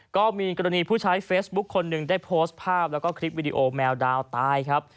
ก็มีกรณีผู้ใช้เฟซบุ๊คคนหนึ่งได้โพสต์ภาพแล้วก็คลิปวิดีโอแมวดาวตายครับ